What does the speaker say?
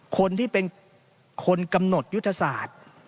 คนที่เป็นคนกำหนดยุทธศาสตร์